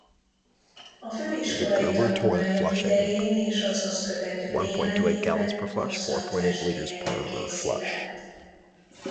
A főiskolai tanulmányok idején és az azt követő néhány évben absztrakt festményeket készített.